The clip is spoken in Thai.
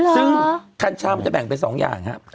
ซึ่งกัญชามันจะแบ่งเป็น๒อย่างครับ